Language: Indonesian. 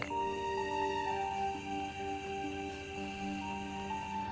kamu tahu apa itu